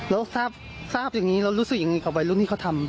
เราทราบอย่างนี้เรารู้สึกอย่างนี้กับวัยรุ่นที่เขาทำ